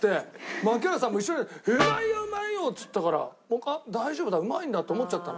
槙原さんも一緒に「うまいようまいよ」っつったから僕は大丈夫だうまいんだと思っちゃったの。